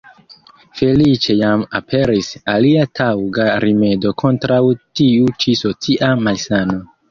Feliĉe jam aperis alia taŭga rimedo kontraŭ tiu ĉi socia malsano.